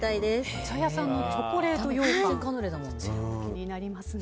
お茶屋さんのチョコレート羊羹気になりますね。